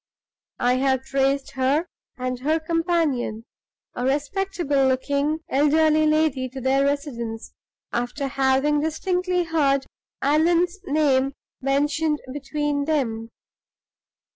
I have traced her and her companion (a respectable looking elderly lady) to their residence after having distinctly heard Allan's name mentioned between them.